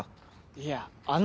いやあの。